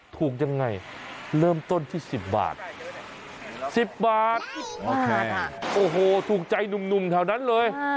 ถูกยังไงเริ่มต้นที่๑๐บาท๑๐บาทโอ้โหถูกใจหนุ่มแถวนั้นเลย